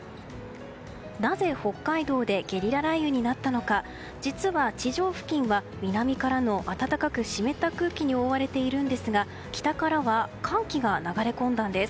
なぜ北海道でゲリラ雷雨になったのか実は地上付近は南からの暖かく湿った空気に覆われているんですが北からは寒気が流れ込んだんです。